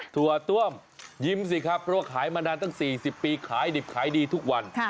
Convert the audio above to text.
ถั่วต้วมยิ้มสิครับเพราะว่าขายมานานตั้ง๔๐ปีขายดิบขายดีทุกวัน